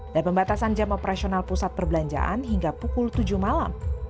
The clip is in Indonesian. dan pembatasan jam operasional pusat perbelanjaan hingga pukul tujuh malam